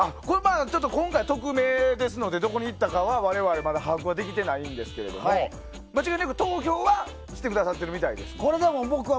ちょっと今回は匿名ですのでどこにいったかは我々まだ把握はできてないんですけど間違いなく投票はしてくださってるみたいです。